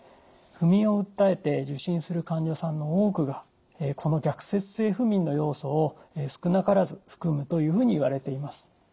不眠を訴えて受診する患者さんの多くがこの逆説性不眠の要素を少なからず含むというふうにいわれています。